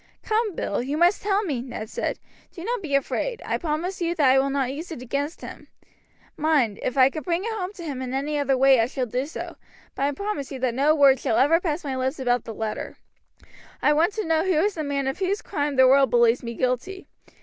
"Come, Bill, you must tell me," Ned said. "Do not be afraid. I promise you that I will not use it against him. Mind, if I can bring it home to him in any other way I shall do so; but I promise you that no word shall ever pass my lips about the letter. I want to know who is the man of whose crime the world believes me guilty.